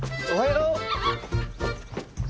おはよう！